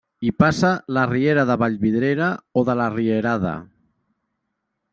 Hi passa la riera de Vallvidrera o de la Rierada.